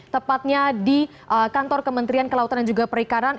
tepatnya di kantor kementerian kelautan dan juga perikanan